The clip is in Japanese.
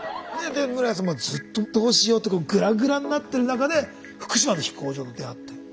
で室屋さんずっとどうしようとかグラグラになってる中で福島の飛行場と出会って。